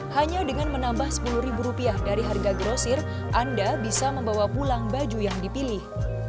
hanya dengan menambah sepuluh rupiah dari harga grosir anda bisa membawa pulang baju yang dipilih